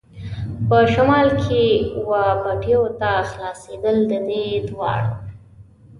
په شمال کې وه پټیو ته خلاصېدل، د دې دواړو.